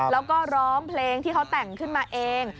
แล้วก็ร้องเพลงที่เขาแต่งขึ้นมาเอง